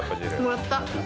もらった？